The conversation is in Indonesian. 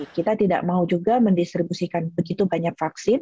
kita tidak mau juga mendistribusikan begitu banyak vaksin